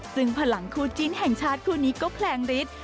ซึ่งพลังคู่จิ้นแห่งชาติคู่นี้ก็แพลงฤทธิ์